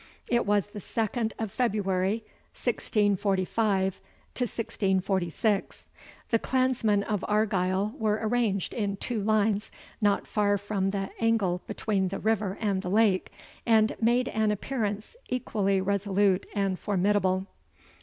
It was the second of February, 1645 6. The clansmen of Argyle were arranged in two lines, not far from the angle between the river and the lake, and made an appearance equally resolute and formidable.